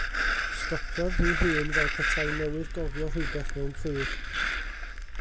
Stopiodd hi'i hun fel petai newydd gofio rhywbeth mewn pryd.